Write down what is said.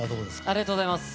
ありがとうございます。